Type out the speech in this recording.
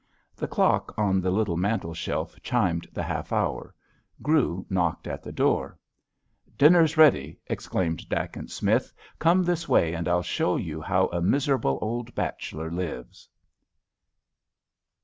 The clock on the little mantelshelf chimed the half hour. Grew knocked at the door. "Dinner's ready," exclaimed Dacent Smith. "Come this way, and I'll show you how a miserable old bachelor lives."